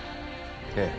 ええ。